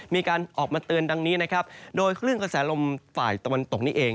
มีการออกมาเตือนดังนี้นะครับโดยคลื่นกระแสลมฝ่ายตะวันตกนี้เอง